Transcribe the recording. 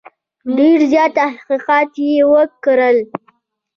ډېر زیات تحقیقات یې وکړل.